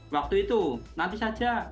waktu itu nanti saja